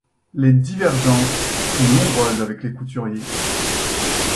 Les divergences sont nombreuses avec les couturiers.